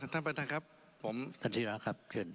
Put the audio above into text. ท่านประธานครับผมท่านธิระครับเชิญ